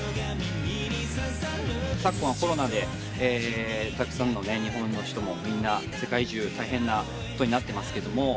昨今はコロナでたくさんの日本の人もみんな世界中大変なことになってますけど。